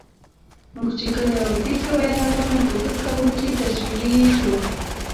موږ چې کله یوه پېښه بیانوو، نو کوښښ کوو چې تصویري یې کړو.